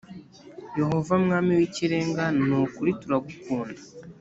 yehova mwami w ‘ikirenga ni ukuri turagukunda.